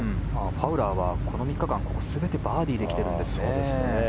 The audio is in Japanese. ファウラーはここ３日間全てバーディーで来てるんですね。